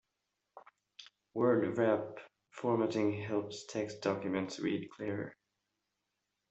Word wrap formatting helps text documents read clearer.